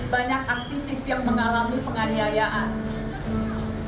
banyak aktivis yang mengalami penganiayaan